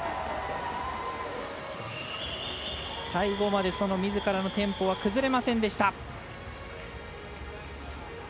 最後までそのみずからのテンポは崩れませんでした。